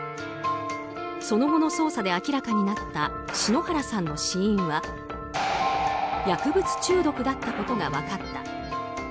その後の捜査で明らかになった篠原さんの死因は薬物中毒だったことが分かった。